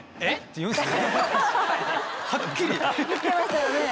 言ってましたよね。